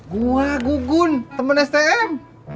gua gugun temen stm